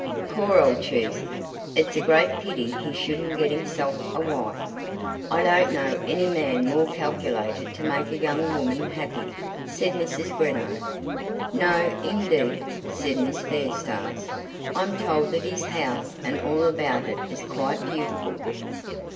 Poor old Cheesy! It's a great pity he shouldn't get himself a wife." "I don't know any man more calculated to make a young woman happy," said Mrs. Greenow. "No, indeed," said Miss Fairstairs. "I'm told that his house and all about it is quite beautiful."